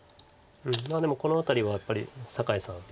まあでもこの辺りはやっぱり酒井さん